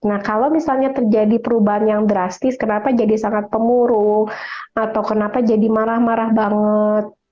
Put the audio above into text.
nah kalau misalnya terjadi perubahan yang drastis kenapa jadi sangat pemuru atau kenapa jadi marah marah banget